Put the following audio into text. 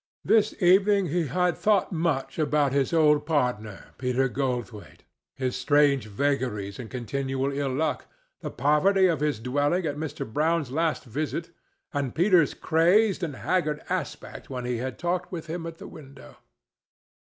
This evening he had thought much about his old partner, Peter Goldthwaite, his strange vagaries and continual ill luck, the poverty of his dwelling at Mr. Brown's last visit, and Peter's crazed and haggard aspect when he had talked with him at the window.